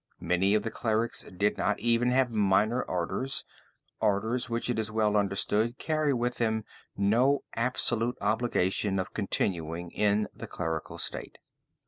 Many of the clerics did not even have minor orders orders which it is well understood carry with them no absolute obligation of continuing in the clerical state.